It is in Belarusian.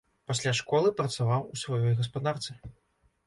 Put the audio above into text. Пасля школы працаваў у сваёй гаспадарцы.